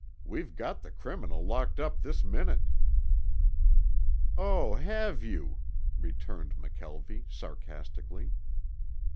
"We've got the criminal locked up this minute." "Oh, have you," returned McKelvie, sarcastically.